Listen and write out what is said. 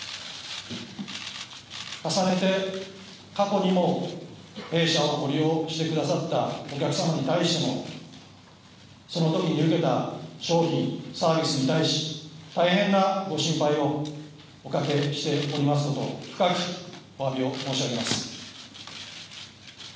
重ねて、過去にも弊社を利用してくださったお客様に対してもその時に受けた商品、サービスに対し大変なご心配をおかけしておりますことを深くおわびを申し上げます。